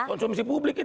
konsumsi publik itu